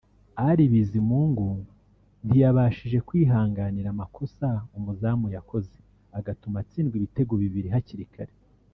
Ali Bizimungu ntiyabashije kwihanganira amakosa umuzamu yakoze agatuma atsindwa ibitego bibiri hakiri kare cyane